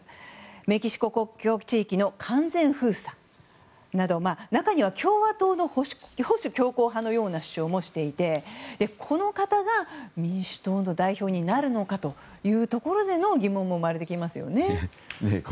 メキシコ国境地域の完全封鎖など中には共和党の保守強硬派のような主張もしていてこの方が民主党の代表になるのかというところでの疑問も生まれてきますよね。